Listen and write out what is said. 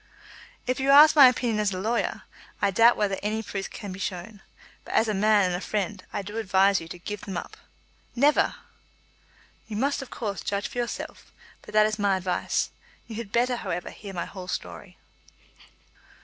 "If you ask me my opinion as a lawyer, I doubt whether any such proof can be shown. But as a man and a friend I do advise you to give them up." "Never!" "You must, of course, judge for yourself; but that is my advice. You had better, however, hear my whole story."